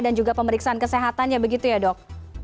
juga pemeriksaan kesehatannya begitu ya dok